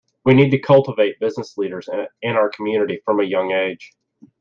We need to cultivate business leaders in our community from a young age.